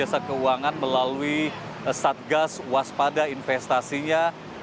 jasa keuangan melalui satgas waspada investasinya